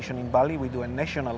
kami akan melakukan perubahan nasional